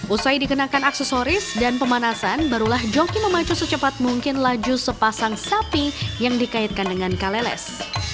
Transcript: usai dikenakan aksesoris dan pemanasan barulah joki memacu secepat mungkin laju sepasang sapi yang dikaitkan dengan kaleles